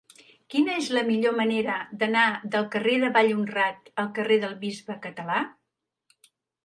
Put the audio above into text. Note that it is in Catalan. Quina és la millor manera d'anar del carrer de Vallhonrat al carrer del Bisbe Català?